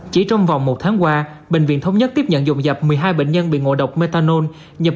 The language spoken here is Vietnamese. chỉ trong vài ngày bệnh nhân đã thử tìm hiểu kém sóng và tắm chất